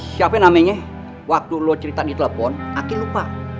siapa namanya waktu lo cerita di telepon aki lupa